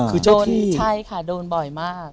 คือจนใช่ค่ะโดนบ่อยมาก